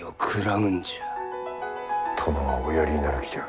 殿はおやりになる気じゃ。